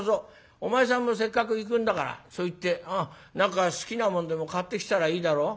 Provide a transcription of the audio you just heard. お前さんもせっかく行くんだからそこ行って何か好きなもんでも買ってきたらいいだろ」。